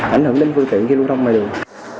ảnh hưởng đến phương tiện khi lưu thông ngoài đường